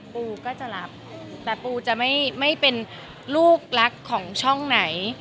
ปูก็จะรับแต่ปูจะไม่เป็นลูกรักของช่องไหน